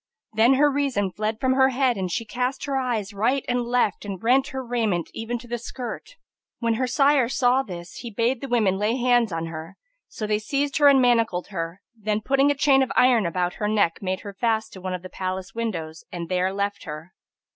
Then her reason fled from her head and she cast her eyes right and left and rent her raiment even to the skirt. When her sire saw this, he bade the women lay hands on her; so they seized her and manacled her, then putting a chain of iron about her neck, made her fast to one of the palace windows and there left her.